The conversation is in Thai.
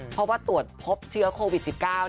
เพราะว่าตรวจพบเชื้อโควิด๑๙